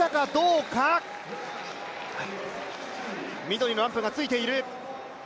緑のランプがついている。